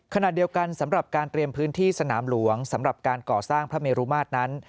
ขณะเดียวกันสำหรับการเตรียมพื้นที่สนามหลวงสำหรับการก่อสร้างพระเมรุมาตรนั้น